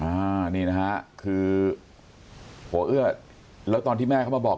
อ่านี่นะฮะคือหัวเอื้อแล้วตอนที่แม่เขามาบอก